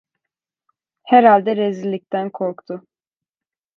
Herhalde rezillikten korktu.